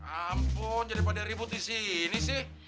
ampun jadi pada ribut di sini sih